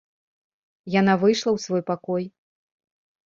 Яна выйшла ў свой пакой.